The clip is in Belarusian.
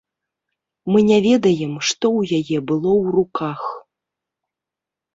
Мы не ведаем, што ў яе было ў руках.